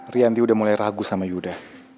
rianti udah mulai ragu sama yuda